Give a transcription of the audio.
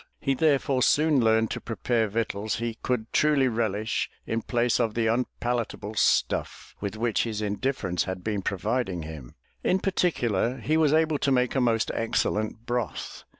He therefore soon learned to prepare victuals he could truly relish in place of the unpalatable stuff with which his indifference had been providing him. In particular he was able to make a most excellent broth.